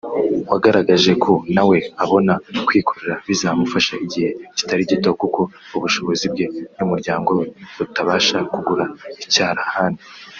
wagaragaje ko nawe abona kwikorera bizamufata igihe kitari gito kuko ubushobozi bwe n’umuryango we butabasha kugura icyarahani